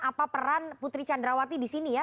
apa peran putri candrawati di sini ya